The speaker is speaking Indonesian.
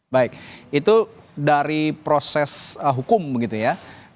baik itu dari proses hukum begitu ya